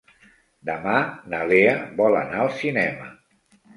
Demà na Lea vol anar al cinema.